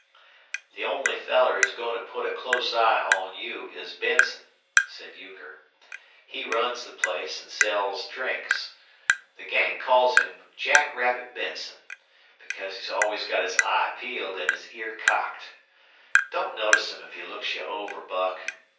"The only feller who's goin' to put a close eye on you is Benson," said Euchre. "He runs the place an' sells drinks. The gang calls him Jackrabbit Benson, because he's always got his eye peeled an' his ear cocked. Don't notice him if he looks you over, Buck.